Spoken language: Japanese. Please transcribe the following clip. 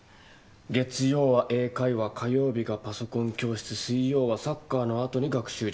月曜は英会話火曜日がパソコン教室水曜はサッカーのあとに学習塾